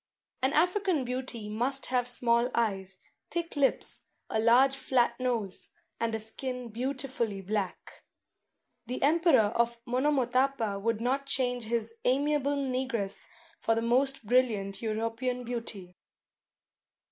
An African beauty must have small eyes, thick lips, a large flat nose, and a skin beautifully black. The Emperor of Monomotapa would not change his amiable negress for the most brilliant European beauty.